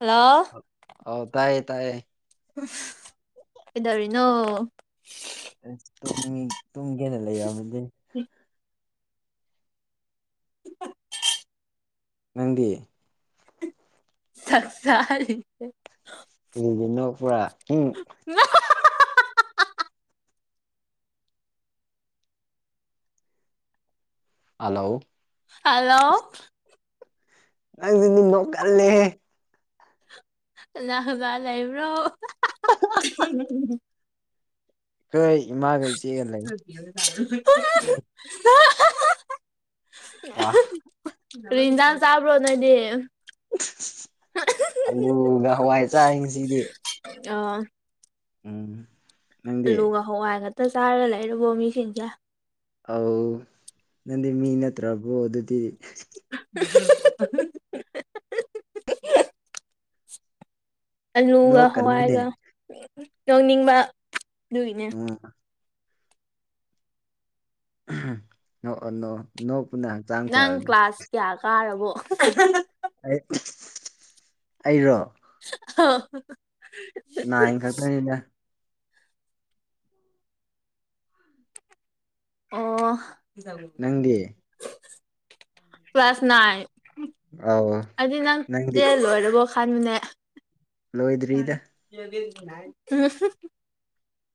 hello ꯑꯥꯎ ꯇꯥꯏꯌꯦ ꯇꯥꯏꯌꯦ ꯀꯩꯗꯧꯔꯤꯅꯣ ꯎꯝ ꯇꯨꯝꯃꯤ ꯇꯨꯝꯒꯦꯅ ꯂꯩꯔꯝꯃꯤꯅꯦ ꯅꯪꯗꯤ ꯁꯛ ꯆꯥꯔꯤ ꯌꯦ ꯀꯩꯒꯤ ꯅꯣꯛꯄꯔꯥ ꯎꯝ ꯍꯜꯂꯣ ꯍꯜꯂꯣ ꯅꯪꯗꯤ ꯅꯣꯛꯄ ꯀꯜꯂꯤ ꯍꯦ ꯀꯅꯥ ꯀꯅꯥ ꯂꯩꯕ꯭ꯔꯣ ꯑꯩꯈꯣꯏ ꯏꯃꯥꯒ ꯏꯆꯦꯒ ꯂꯩ [unintelligible] ꯋꯥ ꯀꯔꯤ ꯢꯟꯖꯥꯡ ꯆꯥꯕ꯭ꯔꯣ ꯅꯣꯢꯗꯤ ꯑꯂꯨꯒ ꯍꯋꯥꯏ ꯆꯥꯏ ꯉꯁꯤꯗꯤ ꯑꯥ ꯎꯝ ꯅꯪꯗꯤ ꯑꯂꯨꯒ ꯍꯋꯥꯏ ꯉꯛꯇ ꯆꯥꯔꯒ ꯂꯩꯔꯕꯣ ꯃꯤꯁꯤꯡꯁꯦ ꯑꯧ ꯅꯪꯗꯤ ꯃꯤ ꯅꯠꯇ꯭ꯔꯕꯔꯣ ꯑꯗꯨꯗꯤ [unintelligible] ꯑꯂꯨꯒ ꯅꯣꯛꯀꯅꯨꯅꯦ ꯍꯋꯥꯏꯒ ꯌꯧꯅꯤꯡꯕ ꯎꯝ ꯅꯣꯛꯑꯣ ꯅꯣꯛꯑꯣ ꯅꯣꯛ ꯅꯪ ꯀ꯭ꯂꯥꯁ ꯀꯌꯥ ꯀꯥꯔꯕꯣ ꯑꯩ ꯑꯩꯔꯣ [unintelligible] ꯅꯥꯏꯟ ꯈꯛꯇꯅꯦꯗ ꯑꯣ ꯅꯪꯗꯤ ꯀ꯭ꯂꯂꯥꯁ ꯅꯥꯏꯟ ꯑꯧ ꯑꯗꯨꯗꯤ ꯅꯪ ꯅꯪꯗꯤ ꯇꯦꯟ ꯂꯣꯏꯔꯕꯣ ꯈꯥꯟꯅꯦ ꯂꯣꯏꯗ꯭ꯔꯤꯗ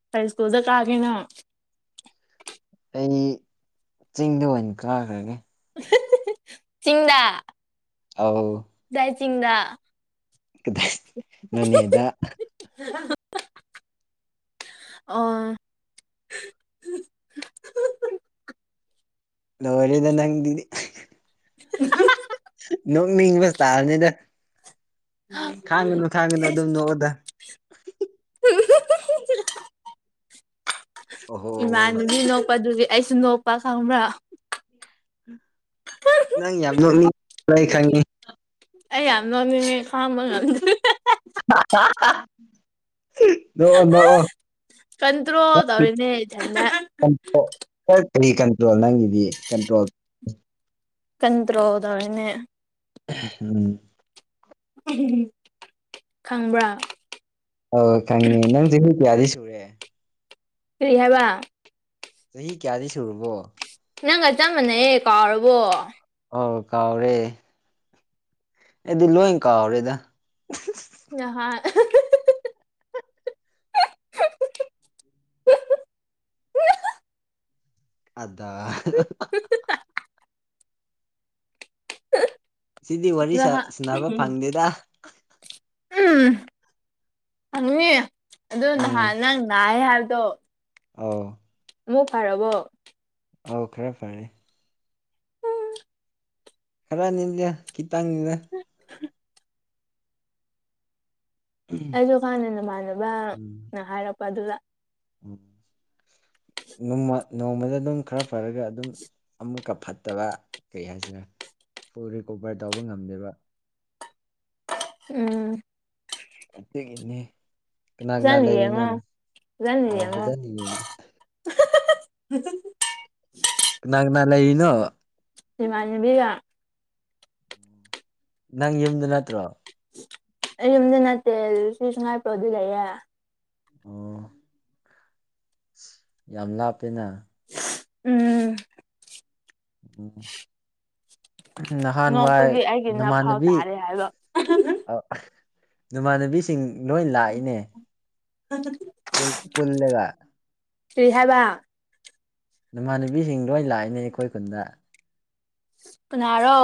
ꯀꯩ ꯢꯁꯀꯨꯜꯗ ꯀꯥꯒꯦꯅꯪ ꯑꯩꯗꯤ ꯆꯤꯡꯗ ꯑꯣꯏꯅ ꯀꯥꯈ꯭ꯔꯒꯦ ꯍꯤꯍꯤ ꯆꯤꯡꯗꯥ ꯑꯧ ꯀꯗꯥꯢ ꯆꯤꯡꯗ ꯀꯗꯥꯏ ꯅꯣꯅꯦꯗ ꯑꯣ [unintelligible] ꯂꯣꯏꯔꯦꯗ ꯅꯪꯗꯤꯗꯤ [unintelligible] ꯅꯣꯛ ꯃꯤꯡꯕ ꯇꯥꯔꯅꯤꯗ ꯈꯥꯡꯒꯅꯨ ꯈꯥꯡꯒꯅꯨ ꯑꯗꯨꯝ ꯅꯣꯛꯎꯗ ꯑꯣꯍꯣ ꯏꯃꯥꯟꯅꯕꯤ ꯅꯣꯛꯄꯗꯨꯒꯤ ꯑꯩꯁꯨ ꯅꯣꯛꯄ ꯈꯪꯕ꯭ꯔꯥ ꯅꯪ ꯌꯥꯝ ꯅꯣꯛꯅꯤꯡ ꯑꯩ ꯈꯪꯉꯤ ꯑꯩ ꯌꯥꯝ ꯅꯣꯛꯅꯤꯡꯉꯦ ꯈꯥꯡꯕ ꯉꯝꯗꯔꯦ [unintelligible] ꯅꯣꯛꯑꯣ ꯑꯥ ꯀꯟꯇ꯭ꯔꯣꯜ ꯇꯧꯔꯤꯅꯦ ꯏꯊꯟꯇ ꯅꯣꯛꯑꯣ ꯀꯔꯤ ꯀꯟꯇ꯭ꯔꯣꯜ ꯅꯪꯒꯤꯗꯤ ꯀꯟꯇ꯭ꯔꯣꯜ ꯀꯟꯇ꯭ꯔꯣꯜ ꯇꯧꯔꯤꯅꯦ ꯎꯝ ꯈꯪꯕ꯭ꯔꯥ ꯑꯣꯏ ꯈꯪꯉꯦ ꯅꯪ ꯆꯍꯤ ꯀꯌꯥꯗꯤ ꯁꯨꯔꯦ ꯀꯔꯤ ꯍꯥꯏꯕ ꯆꯍꯤ ꯀꯌꯥꯗꯤ ꯁꯨꯨꯔꯕꯣ ꯅꯪꯒ ꯆꯞ ꯃꯥꯅꯩꯌꯦ ꯀꯥꯎꯔꯕꯣ ꯑꯣꯥ ꯀꯥꯎꯔꯦ ꯑꯩꯗꯤ ꯂꯣꯏ ꯀꯥꯎꯔꯦꯗ ꯅꯍꯥꯟ ꯑꯗ ꯁꯤꯗꯤ ꯋꯥꯔꯤ ꯁꯥ ꯅꯍꯥꯟ ꯁꯥꯅꯕ ꯐꯪꯗꯦꯗ ꯎꯝ ꯐꯪꯅꯤꯗ ꯑꯗꯨ ꯅꯍꯥꯟ ꯅꯪ ꯅꯥꯏ ꯍꯥꯏꯕꯗꯣ ꯑꯥꯎ ꯂꯣꯛ ꯐꯔꯕꯣ ꯑꯧ ꯈꯔ ꯐꯔꯦ ꯎꯝ ꯈꯔꯅꯤꯗ ꯈꯤꯇꯡꯅꯤꯗ ꯎꯝ ꯑꯩꯁꯨ ꯈꯪꯗꯦ ꯅꯃꯥꯟꯅꯕꯅ ꯍꯥꯏꯔꯛꯄ ꯑꯗꯨꯗ ꯎꯝ ꯅꯣꯡꯃ ꯅꯣꯡꯃꯗ ꯑꯗꯨꯝ ꯈꯔ ꯐꯔꯒ ꯑꯗꯨꯝ ꯑꯃꯨꯛꯀ ꯐꯠꯇꯕ ꯀꯩ ꯍꯥꯏꯁꯤꯔ ꯐꯨꯜ ꯔꯤꯀꯣꯕꯔ ꯇꯧꯕ ꯉꯝꯗꯦꯕ ꯎꯝ ꯑꯇꯩꯒꯤꯅꯦ ꯀꯅꯥ ꯀꯅꯥ ꯐꯖꯅ ꯂꯩꯔꯤꯅꯣ ꯌꯦꯡꯉꯣ ꯐꯖꯅ ꯑꯥ ꯌꯦꯡꯉꯣ ꯐꯖꯅ ꯌꯦꯡꯉꯦ [unintelligible] ꯀꯅꯥ ꯀꯅꯥ ꯂꯩꯔꯤꯅꯣ ꯏꯃꯥꯟꯅꯕꯤꯒ ꯅꯪ ꯌꯨꯝꯗ ꯅꯠꯇ꯭ꯔꯣ ꯑꯩ ꯌꯨꯝꯗ ꯅꯠꯇꯦ ꯁꯤ ꯁꯉꯥꯏꯄ꯭ꯔꯧꯗ ꯂꯩꯌꯦ ꯑꯣ ꯌꯥꯝ ꯂꯥꯞꯄꯦꯅ ꯎꯝ ꯎꯝ ꯅꯍꯥꯟꯋꯥꯏ ꯅꯣꯛꯄꯒꯤ ꯑꯩꯒꯤ ꯅꯐꯥꯎ ꯅꯃꯥꯟꯅꯕꯤ ꯇꯥꯔꯦ ꯍꯥꯏꯕ ꯑꯥ ꯅꯃꯥꯟꯅꯕꯤꯁꯤꯡ ꯂꯣꯏ ꯂꯥꯛꯏꯅꯦ [unintelligible] ꯄꯨꯜ ꯄꯨꯜꯂꯒ ꯀꯩ ꯍꯥꯏꯕ ꯅꯃꯥꯟꯅꯕꯤꯁꯤꯡ ꯂꯣꯏ ꯂꯥꯛꯏꯅꯦ ꯑꯩꯈꯣꯏ ꯈꯨꯟꯗ ꯀꯅꯔꯣ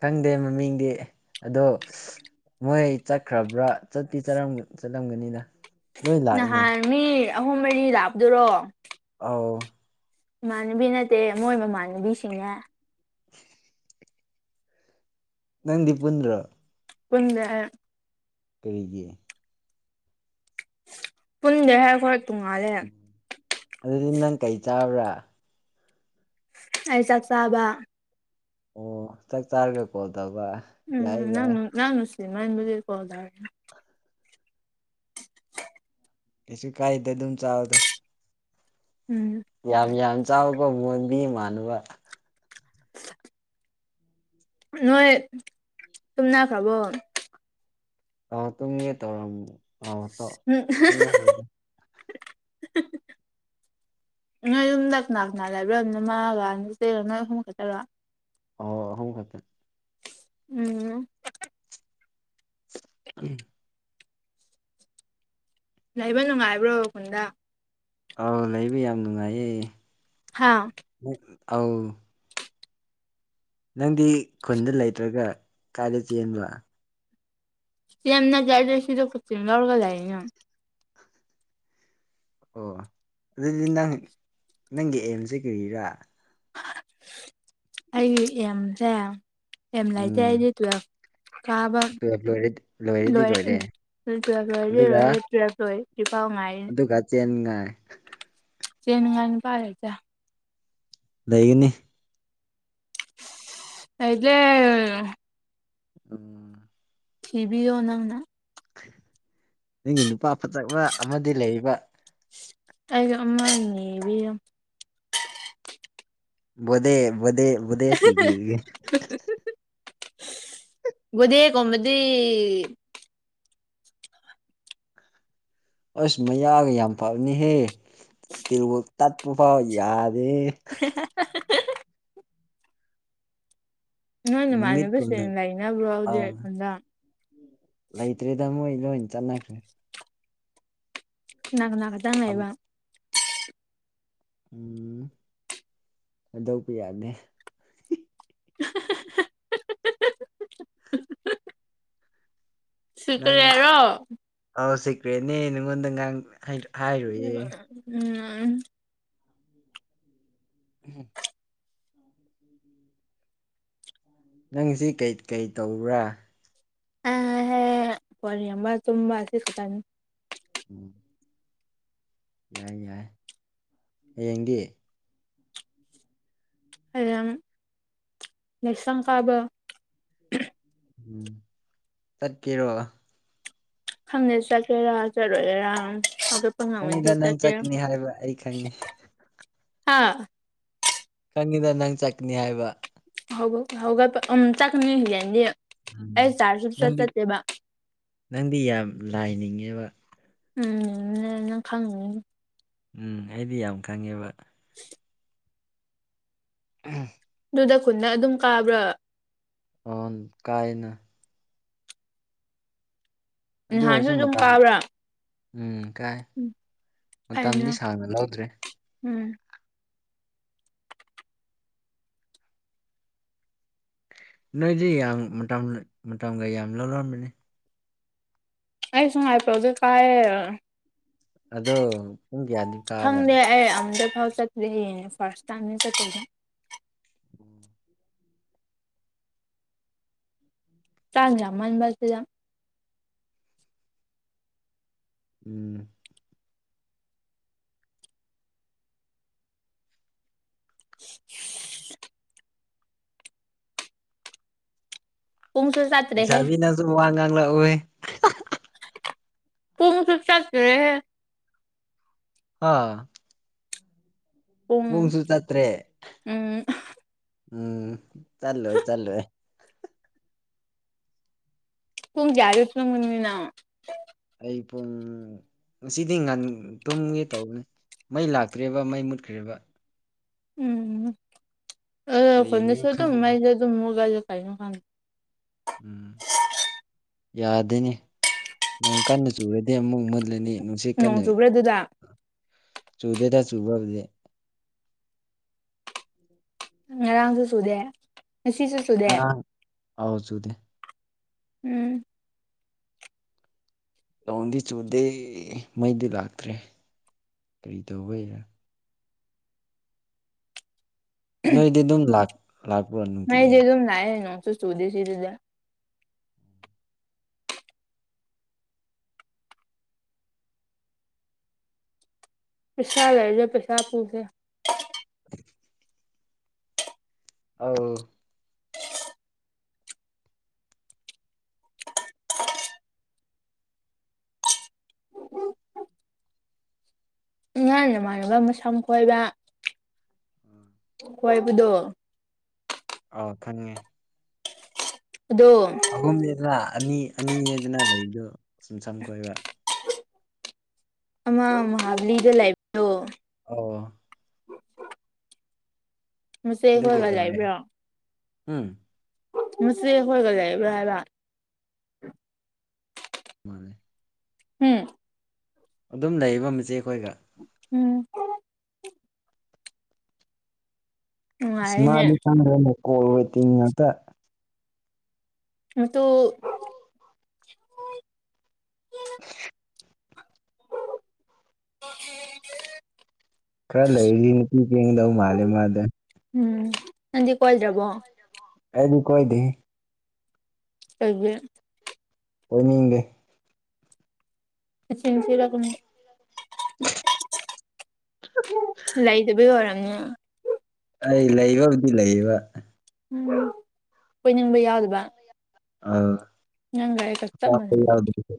ꯈꯪꯗꯦ ꯃꯃꯤꯡꯗꯤ ꯑꯗꯣ ꯃꯣꯏ ꯆꯠꯈ꯭ꯔꯕ꯭ꯔꯥ ꯆꯠꯇꯤ ꯆꯠꯂꯝꯒꯅꯤꯗ ꯅꯍꯥꯟ ꯃꯤ ꯑꯍꯨꯝ ꯃꯔꯤ ꯂꯛꯄꯗꯨꯔꯣ ꯑꯧ ꯏꯃꯥꯟꯅꯕꯤ ꯅꯠꯇꯦ ꯃꯣꯏ ꯃꯃꯥꯟꯅꯕꯤꯁꯤꯡꯅꯦ [unintelligible] ꯅꯡꯗꯤ ꯄꯨꯨꯟꯗ꯭ꯔꯣ ꯄꯨꯟꯗꯦ ꯑꯩ ꯀꯔꯤꯒꯤ ꯄꯨꯟꯗꯦ ꯍꯦ ꯈꯣꯏ ꯇꯣꯡꯉꯥꯜꯂꯦ ꯑꯗꯨꯗꯤ ꯅꯪ ꯀꯩ ꯆꯥꯕ꯭ꯔꯥ ꯑꯩ ꯆꯥꯛ ꯆꯥꯕ ꯑꯣ ꯆꯥꯛ ꯆꯥꯔꯒ ꯀꯣꯜ ꯇꯧꯕ ꯌꯥꯏ ꯌꯥꯏ ꯏꯃꯥꯟꯕꯗꯩ ꯀꯣꯟ ꯇꯧꯔꯛꯀꯦ ꯀꯩꯁꯨ ꯀꯥꯏꯗꯦ ꯑꯗꯨꯝ ꯆꯥꯥꯎꯗ ꯎꯝ ꯌꯥꯝ ꯌꯥꯝ ꯆꯥꯎꯀꯣ ꯃꯣꯟꯕꯤ ꯃꯥꯟꯅꯕ [inaudible] ꯅꯣꯏ ꯇꯨꯝꯅꯈ꯭ꯔꯕꯣ ꯑꯥꯎ ꯇꯨꯝꯒꯦ ꯇꯧꯔꯝ ꯑꯧ ꯇꯧ ꯎꯝ ꯇꯨꯝꯅꯈ꯭ꯔꯦꯗ [unintelligible] ꯅꯣꯏ ꯌꯨꯝꯗ ꯀꯅꯥ ꯀꯅꯥ ꯂꯩꯕ꯭ꯔ ꯅꯃꯥꯒ ꯅꯆꯦꯒ ꯅꯣꯏ ꯑꯍꯨꯝ ꯈꯛꯇꯔꯣ ꯑꯣ ꯑꯍꯨꯝ ꯈꯠꯇ [inaudible] ꯎꯝ [unintelligible] ꯂꯩꯕ ꯅꯨꯡꯉꯥꯏꯕ꯭ꯔꯣ ꯈꯨꯟꯗ ꯑꯥꯎ ꯂꯩꯕ ꯌꯥꯝ ꯅꯨꯡꯉꯥꯏꯌꯦ ꯍꯥꯥ ꯑꯧ ꯅꯪꯗꯤ ꯈꯨꯟꯗ ꯂꯩꯇ꯭ꯔꯒ ꯀꯥꯏꯗ ꯆꯦꯟꯕ [unintelligible] ꯑꯣ ꯑꯗꯨꯗꯤ ꯅꯪ ꯅꯪꯒꯤ ꯑꯦꯝꯁꯦ ꯀꯔꯤꯔꯥ ꯑꯩꯒꯤ ꯑꯦꯝꯁꯦ ꯑꯦꯝ ꯂꯩꯇꯦ ꯎꯝ ꯑꯩꯗꯤ ꯇꯨꯋꯦꯜꯐ ꯀꯥꯕ ꯇꯨꯌꯦꯜꯞ ꯂꯣꯏꯔꯦ ꯂꯣꯏꯔꯗꯤ ꯂꯣꯏ ꯑ ꯂꯣꯏꯔꯦ ꯇꯨꯋꯦꯜꯐ ꯂꯣꯏꯔꯦ ꯑꯗꯨꯒ ꯂꯣꯏꯔꯦ ꯄꯦꯔꯠ ꯂꯣꯏꯔꯦ ꯏꯄꯥꯎ ꯉꯥꯏꯔꯤꯅꯤ ꯑꯗꯨꯒ [unintelligible] ꯀꯦꯅꯤꯉꯥꯏ ꯅꯨꯄꯥ ꯂꯩꯇꯦ ꯂꯩꯩꯒꯅꯤ ꯂꯩꯇ꯭ꯔꯦ ꯎꯝ ꯊꯤꯕꯤꯌꯣ ꯅꯪꯅ ꯅꯪꯒꯤ ꯅꯨꯄꯥ ꯐꯖꯕ ꯑꯃꯗꯤ ꯂꯩꯑꯦꯕ ꯑꯩꯖꯨ ꯑꯃ ꯅꯤꯕꯤꯌꯣ ꯕꯣꯗꯦ ꯕꯣꯗꯦ ꯕꯣꯗꯦ ꯊꯤꯕꯤꯔꯌꯦ ꯕꯣꯗꯦ ꯒꯨꯝꯕꯗꯤ ꯑꯁ ꯃꯌꯥꯒ ꯌꯥꯝ ꯐꯕꯅꯤꯍꯦ ꯁ꯭ꯇꯤꯜꯋꯨꯠ ꯇꯛꯄꯐꯥꯎ ꯌꯥ [unintelligible] ꯅꯣꯏ ꯅꯨꯃꯤꯠ ꯀꯨꯝꯅ ꯅꯃꯥꯟꯅꯕꯁꯤꯡ ꯂꯩꯅꯕ꯭ꯔꯣ ꯍꯨꯖꯤꯛ ꯑꯥ ꯊꯟꯗ ꯂꯩꯇ꯭ꯔꯦꯗ ꯃꯣꯏ ꯂꯣꯏ ꯆꯠꯅꯈ꯭ꯔꯦ [unintelligible] ꯀꯅ ꯀꯅ ꯈꯛꯇꯪ ꯑꯝ ꯂꯩꯕ ꯎꯝ ꯍꯥꯏꯗꯣꯛꯄ ꯌꯥꯗꯦ [unintelligible] [unintelligible] ꯁꯨꯀ꯭ꯔꯦ ꯔꯣ ꯔꯦꯟꯅꯦ ꯅꯪꯉꯣꯟꯗ ꯉꯥꯡ ꯍꯥꯏ ꯍꯥꯏꯔꯣꯏꯌꯦ ꯎꯝ ꯎꯍꯨꯝ ꯅꯪꯁꯤ ꯀꯩ ꯀꯩ ꯇꯧꯕ꯭ꯔꯥ ꯑꯩ ꯐꯣꯟ ꯌꯦꯡꯕ ꯇꯨꯝꯕ ꯑꯁꯤ ꯈꯛꯇꯅꯤ ꯎꯝ ꯌꯥꯏ ꯌꯥꯏ ꯍꯌꯦꯡꯗꯤ [unintelligible] ꯎꯝ ꯆꯠꯀꯦꯔꯣ ꯈꯪꯗꯦ ꯆꯠꯀꯦꯔꯥ ꯆꯠꯂꯣꯏꯒꯦꯔꯥ ꯈꯪꯉꯤꯗ ꯅꯪ ꯆꯠꯀꯅꯤ ꯍꯥꯏꯕ ꯑꯩ [unintelligible] ꯈꯪꯉꯤ ꯍꯥ ꯈꯪꯉꯤꯗ ꯅꯪ ꯆꯠꯀꯅꯤ ꯍꯥꯏꯕ ꯍꯧꯒ- ꯍꯧꯒꯠꯄ ꯎꯝ ꯆꯠꯀꯅꯤ ꯍꯌꯦꯡꯗꯤ ꯎꯝ [unintelligible] ꯅꯪꯗꯤ ꯆꯠꯇꯦꯕ ꯂꯥꯏ ꯅꯤꯡꯉꯤꯕ ꯎꯝ ꯅꯪ ꯈꯪꯅꯤ ꯎꯝ ꯑꯩꯗꯤ ꯌꯥꯝ ꯈꯪꯉꯦꯕ [inaudible] [inaudible] ꯑꯗꯨꯗ ꯈꯨꯟꯅ ꯑꯗꯨꯝ ꯀꯥꯕ꯭ꯔꯥ ꯑꯝ ꯀꯥꯏꯅ ꯑꯗꯨ ꯅꯍꯥꯟꯁꯨ ꯑꯣꯏꯔꯁꯨ ꯑꯗꯨꯝ ꯃꯇꯝ ꯀꯥꯕ꯭ꯔꯥ ꯎꯝ ꯀꯥꯏ ꯎꯝ ꯃꯇꯝꯗꯤ ꯐꯥꯏꯅ ꯁꯥꯡꯅ ꯂꯧꯗ꯭ꯔꯦ ꯎꯝ ꯅꯣꯏꯗꯤ ꯌꯥꯝ ꯃꯇꯝ ꯃꯇꯝꯒ ꯌꯥꯝ ꯂꯧꯔꯝꯃꯅꯤ [unintelligible] ꯑꯗꯣ ꯄꯨꯡ ꯀꯌꯥꯗꯤ ꯀꯥꯕ꯭ꯔꯥ ꯈꯪꯗꯦ ꯑꯩ [unintelligible] ꯎꯝ [unintelligible] ꯎꯝ [unintelligible] ꯄꯨꯡꯁꯨ ꯆꯠꯇ꯭ꯔꯦꯍꯦ ꯂꯩꯁꯥꯕꯤ ꯅꯪꯁꯨ ꯋꯥ ꯉꯥꯡꯂꯛꯎꯍꯦ ꯄꯨꯡ ꯁꯨ ꯆꯠꯇ꯭ꯔꯦ ꯍꯦ ꯍꯥ ꯄꯨꯡ ꯄꯨꯡꯁꯨ ꯆꯠꯇ꯭ꯔꯦ ꯎꯝ ꯎꯝ ꯆꯠꯂꯣꯏ ꯆꯠꯂꯣꯏ [unintelligible] ꯑꯩ ꯄꯨꯡ ꯉꯁꯤꯗꯤ ꯉꯟ ꯇꯨꯝꯒꯦ ꯇꯧꯕꯅꯦ ꯃꯩ ꯂꯥꯛꯇ꯭꯭ꯔꯦꯕ ꯃꯩ ꯃꯨꯠꯈ꯭ꯔꯦꯕ ꯀꯔꯤꯒꯤꯅꯣ [unintelligible] ꯈꯪꯗ꯭ꯔꯦ [unintelligible] [inaudible] ꯌꯥꯗꯦꯅꯦ ꯅꯣꯡ ꯀꯟꯅ ꯆꯨꯔꯗꯤ ꯑꯃꯨꯛ ꯃꯨꯠꯂꯅꯤ ꯅꯣꯡ ꯆꯨꯕ꯭ꯔꯥ ꯑꯗꯨꯗ [unintelligible] ꯉꯔꯥꯡꯁꯨ ꯆꯨꯗꯦ ꯉꯁꯤꯁꯨ ꯆꯨꯗꯦ ꯉꯔꯥꯡ ꯑꯧ ꯆꯨꯨꯗꯦ ꯎꯝ ꯅꯣꯡꯗꯤ ꯆꯨꯗꯦ ꯃꯩꯗꯤ ꯂꯥꯛꯇ꯭ꯔꯦ ꯀꯔꯤ ꯇꯧꯕꯩꯔ ꯅꯣꯏꯗꯤ ꯑꯗꯨꯝ ꯂꯥꯛ ꯂꯥꯛꯄ꯭ꯔꯣ ꯅꯨꯡꯇꯤꯒꯤ ꯃꯩꯗꯤ ꯗꯨꯝ ꯂꯥꯛꯑꯦ ꯅꯣꯡꯁꯨ ꯆꯨꯗꯦ ꯁꯤꯗꯗꯤ ꯄꯩꯁꯥ ꯂꯩꯔꯗꯤ ꯄꯩꯁꯥ ꯄꯨꯒꯦ [inaudible] ꯑꯎ ꯉꯥꯟꯅꯃꯥꯟꯅꯕ ꯃꯁꯝ ꯐꯣꯏꯕ ꯈꯣꯏꯕꯗꯨ ꯑꯥꯎ ꯈꯪꯉꯦ ꯑꯗꯣ ꯑꯍꯨꯝꯅꯦꯗꯅ ꯑꯅꯤ ꯑꯅꯤꯅꯦꯗꯅ ꯗꯩꯗꯨ ꯁꯨꯝ ꯁꯝ ꯀꯣꯏꯕ ꯑꯃ ꯃꯍꯥꯕꯂꯤꯗ ꯂꯩꯕꯗꯨ ꯑꯣ ꯑꯗꯨ ꯃꯆꯦꯈꯣꯏꯒ ꯀꯩꯗꯧꯔꯦ ꯂꯩꯕ꯭ꯔꯣ ꯎꯝ ꯃꯆꯦꯍꯣꯏꯒ ꯂꯩꯕ꯭ꯔ ꯍꯥꯏꯕ ꯃꯥꯅꯦ ꯎꯝ ꯑꯗꯨꯝ ꯂꯩꯕ ꯃꯆꯦ ꯈꯣꯏꯒ ꯎꯝ ꯁ ꯅꯨꯡꯉꯥꯏꯔꯦꯅꯦ ꯃꯥꯗꯤ ꯈꯪꯗꯦꯅꯦ ꯀꯣ ꯋꯦꯇꯤꯡ ꯉꯥꯛꯇ ꯅꯇꯨ [inaudible] [inaudible] ꯈꯔ ꯂꯩꯔꯤ ꯅꯨꯄꯤ ꯆꯦꯟꯒꯤꯗꯧ ꯃꯥꯜꯂꯦ ꯃꯥꯗꯦ ꯎꯝ ꯅꯪꯗꯤ ꯀꯣꯏꯗ꯭ꯔꯕꯣ ꯑꯩꯗꯤ ꯀꯣꯏꯗꯦꯍꯦ ꯀꯩꯒꯤ ꯀꯣꯏꯅꯤꯡꯗꯦ ꯅꯆꯤꯟ ꯊꯤꯔꯛꯀꯅꯨ [inaudible] ꯂꯩꯇꯕꯩ ꯑꯣꯏꯔꯝꯅꯤ ꯑꯩ ꯂꯩꯕꯕꯨꯗꯤ ꯂꯩꯌꯦꯕ ꯎꯝ ꯀꯣꯏꯅꯤꯡꯕ ꯌꯥꯎꯗꯕ ꯑ ꯅꯪꯒ ꯑꯩꯒ ꯆꯞ ꯇꯥꯛꯄ ꯌꯥꯎꯗ꯭ꯔꯤꯗ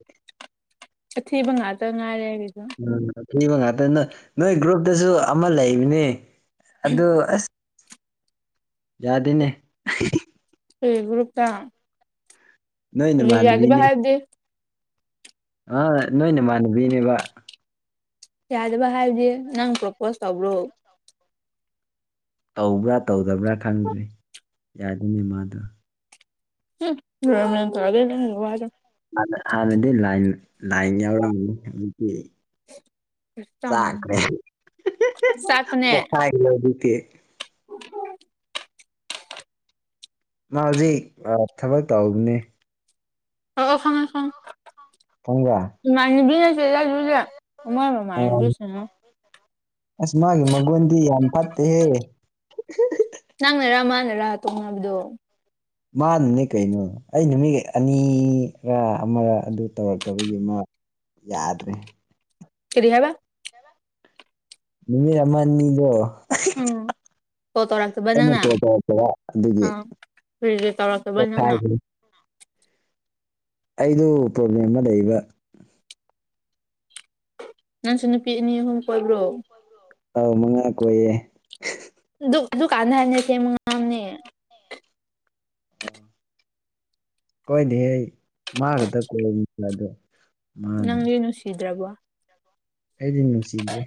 ꯊꯤꯕ ꯉꯥꯛꯇ ꯉꯥꯏꯔꯦ ꯑꯩꯒꯤꯖꯨ ꯊꯤꯕ ꯉꯥꯛꯇꯅ ꯅꯣꯏ ꯒ꯭ꯔꯨꯞꯇꯁꯨ ꯑꯃ ꯂꯩꯕꯅꯤ ꯑꯗꯨ ꯑꯁ ꯌꯥꯗꯦꯅꯦ ꯍꯤ ꯍꯤ ꯑꯩ ꯒ꯭ꯔꯨꯨꯞꯇ ꯅꯣꯏ ꯀ꯭ꯔꯤ ꯌꯥꯗꯤꯕ ꯍꯥꯏꯔꯗꯤ ꯑ ꯅꯣꯏ ꯅꯃꯥꯟꯅꯕꯤꯅꯦꯕꯥ ꯌꯥꯗꯕ ꯍꯥꯏꯕꯗꯤ ꯅꯪ ꯄ꯭ꯔꯣꯄꯣꯁ ꯇꯧꯕ꯭ꯔꯣ ꯇꯧꯕ꯭ꯔꯥ ꯇꯧꯗꯕ꯭ꯔꯥ ꯈꯪꯗ꯭ꯔꯤ ꯌꯥꯗꯨꯏꯅꯤ ꯃꯥꯗꯣ ꯍꯝ ꯅꯣꯔꯃꯦꯟ ꯇꯧꯗꯦ ꯅꯪꯒꯤ ꯋꯥꯗꯣ ꯍꯥꯟꯅ ꯍꯥꯟꯅꯗꯤ ꯂꯥꯏꯅ ꯂꯥꯏꯟ ꯌꯥꯎꯔꯝꯅꯤ ꯗꯤ ꯆꯥꯛꯈ꯭ꯔꯦ ꯍꯤ ꯍꯤ ꯍꯤ ꯆꯥꯛꯄꯅꯦ ꯄꯣꯈꯥꯏꯗꯧꯔꯤ ꯀꯦ [inaudible] ꯃꯥꯗꯤ ꯑꯥ ꯊꯕꯛ ꯇꯧꯕꯅꯦ ꯑꯣ ꯑꯣ ꯈꯪꯑꯦ ꯈꯪꯑꯦ ꯈꯪꯕ꯭ꯔꯥ ꯏꯃꯥꯟꯕꯤ ꯅꯠꯇꯦꯗꯥ ꯗꯨꯗꯤ ꯑꯣ ꯃꯣꯏ ꯑ ꯃꯃꯥꯥꯟꯅꯕꯤꯁꯤꯅ ꯑꯁ ꯃꯥꯒꯤ ꯃꯒꯨꯟꯗꯤ ꯌꯥꯝ ꯐꯠꯇꯦꯍꯦ ꯃꯅ ꯔ ꯇꯣꯛꯅꯕꯗꯨ ꯃꯥꯅꯅꯦ ꯀꯩꯅꯣ ꯑꯩꯅ ꯃꯤ ꯑꯅꯤꯔ ꯑꯃꯔ ꯑꯗꯨ ꯇꯧꯔꯛꯇꯕꯒꯤ ꯃꯥ ꯌꯥꯗ꯭ꯔꯦ ꯀꯔꯤ ꯍꯥꯏꯕ ꯅꯨꯃꯤꯠ ꯑꯃ ꯑꯅꯤꯗꯣ ꯎꯝ ꯀꯣꯜ ꯑꯩꯅ ꯇꯧꯔꯥꯛꯇꯕꯅꯪꯅ ꯀꯣꯜ ꯇꯧꯔꯛꯄ ꯑꯗꯨꯒꯤ ꯑꯥ ꯀꯔꯤꯒꯤ ꯇꯧꯔꯛꯇꯕ ꯅꯪꯅ ꯄꯣꯊꯥꯏꯕꯅꯤ ꯑꯩꯗꯨ ꯄ꯭ꯔꯣꯕ꯭ꯂꯦꯝ ꯑꯃ ꯂꯩꯕ ꯅꯪꯁꯨ ꯅꯨꯄꯤ ꯑꯅꯤ ꯑꯍꯨꯝ ꯀꯣꯏꯕ꯭ꯔꯣ ꯑꯥꯎ ꯃꯉꯥ ꯀꯣꯏꯌꯦ ꯗꯨ ꯗꯨ ꯀꯥꯟꯗ ꯍꯥꯏꯕꯅꯦ ꯑꯁꯦꯡꯕ ꯉꯥꯡꯎꯅꯦ ꯀꯣꯏꯗꯦꯍꯦ ꯑꯩ ꯃꯥ ꯈꯛꯇ ꯀꯣꯏꯕꯅꯤ ꯑꯗꯣ ꯃꯥꯅ ꯅꯪꯗꯤ ꯅꯨꯡꯁꯤꯗ꯭ꯔꯥꯕꯣ ꯑꯩꯗꯤ ꯅꯨꯡꯁꯤꯗ꯭ꯔꯦ